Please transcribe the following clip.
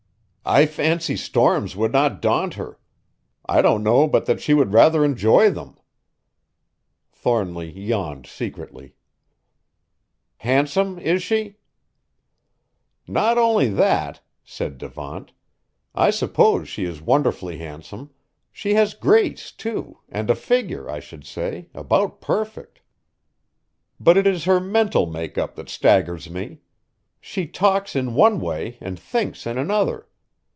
"I fancy storms would not daunt her. I don't know but that she would rather enjoy them." Thornly yawned secretly. "Handsome, is she?" "Not only that," said Devant, "I suppose she is wonderfully handsome. She has grace, too, and a figure, I should say, about perfect. But it is her mental make up that staggers me. She talks in one way and thinks in another.